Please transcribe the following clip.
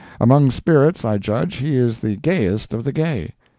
Among spirits, I judge he is the gayest of the gay.